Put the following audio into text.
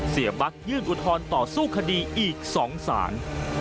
เสียบัตรยื่นกุธรต่อสู้คดีอีกสองศาล